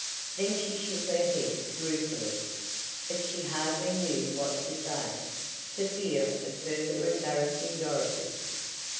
Then she shook her head ruefully, but she hardly knew what to say, for fear of further embarrassing Dorothy.